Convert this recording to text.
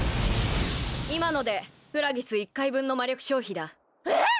今のでフラギス一回分の魔力消費だえっ？